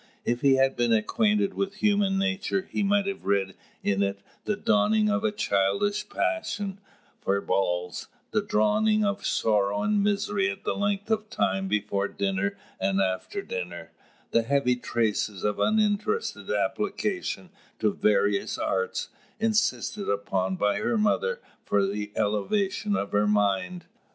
If he had been acquainted with human nature, he might have read in it the dawning of a childish passion for balls, the dawning of sorrow and misery at the length of time before dinner and after dinner, the heavy traces of uninterested application to various arts, insisted upon by her mother for the elevation of her mind.